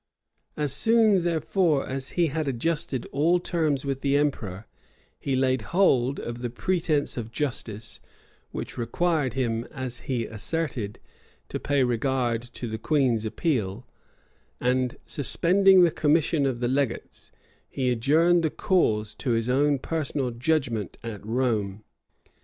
As soon, therefore, as he had adjusted all terms with the emperor he laid hold of the pretence of justice, which required him, as he asserted, to pay regard to the queen's appeal; and suspending the commission of the legates, he adjourned the cause to his own personal judgment at Rome.